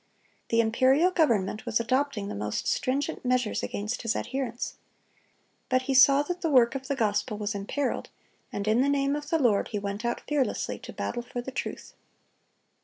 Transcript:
The imperial government was adopting the most stringent measures against his adherents. But he saw that the work of the gospel was imperiled, and in the name of the Lord he went out fearlessly to battle for the truth.